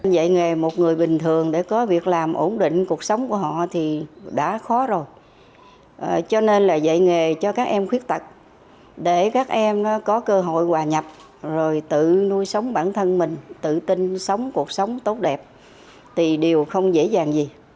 dạy nghề một người bình thường để có việc làm ổn định cuộc sống của họ thì đã khó rồi cho nên là dạy nghề cho các em khuyết tật để các em có cơ hội hòa nhập rồi tự nuôi sống bản thân mình tự tin sống cuộc sống tốt đẹp thì điều không dễ dàng gì